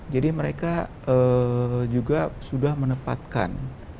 jadi mereka juga sudah menepatkan